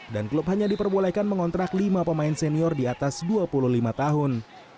dan klub hanya diperbolehkan mengontrak lima pemain senior di atas dua puluh lima tahun